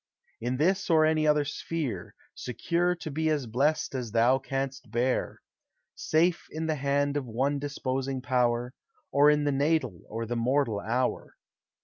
In this or any other sphere, Secure to be as blest as thou canst bear; Safe in the hand of one disposing Power, Or in the natal or the mortal hour.